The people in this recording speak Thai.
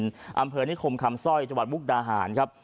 พระอินทร์อำเภอนี้คมคำสร้อยจับหวัดมุกดาหารครับ